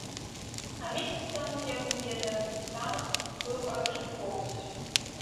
А месяц таму, як мы ведаем, замак быў адкрыты поўнасцю.